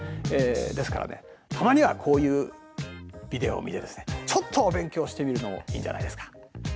ですからねたまにはこういうビデオを見てですねちょっとお勉強してみるのもいいんじゃないですか。